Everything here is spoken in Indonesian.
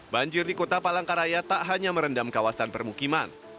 banjir di kota palangkaraya tak hanya merendam kawasan permukiman